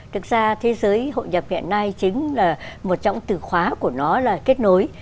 thực ra thế giới hội nhập hiện nay chính là một trong từ khóa của nó là kết nối